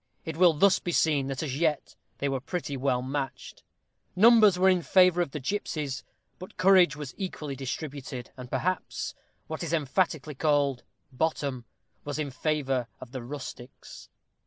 It will thus be seen that as yet they were pretty well matched. Numbers were in favor of the gipsies, but courage was equally distributed, and, perhaps, what is emphatically called "bottom," was in favor of the rustics.